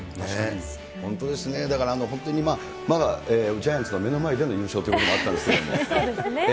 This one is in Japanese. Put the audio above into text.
本当ですね、だから本当にまたジャイアンツの目の前での優勝ということもあっそうですね。